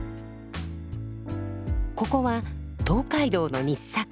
ここは東海道の日坂。